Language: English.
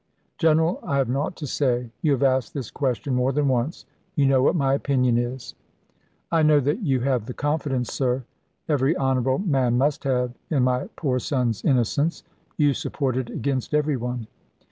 "General, I have nought to say. You have asked this question more than once. You know what my opinion is." "I know that you have the confidence, sir, every honourable man must have, in my poor son's innocence. You support it against every one."